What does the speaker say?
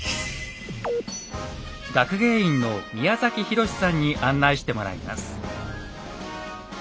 学芸員の宮崎博司さんに案内してもらいます。